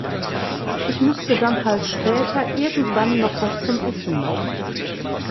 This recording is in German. Ich müsste dann halt später irgendwann noch was zum Essen machen.